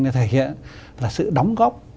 để thể hiện là sự đóng góp